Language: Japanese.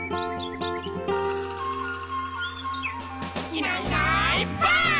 「いないいないばあっ！」